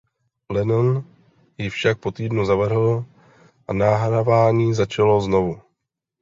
Lennon ji však po týdnu zavrhl a nahrávání začalo znovu.